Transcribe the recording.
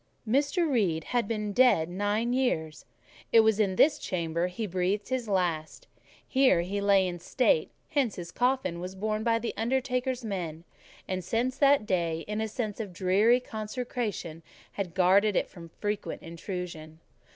Mr. Reed had been dead nine years: it was in this chamber he breathed his last; here he lay in state; hence his coffin was borne by the undertaker's men; and, since that day, a sense of dreary consecration had guarded it from frequent intrusion.